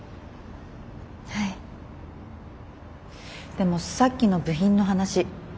でもさっきの部品の話。